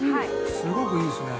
すごくいいですね。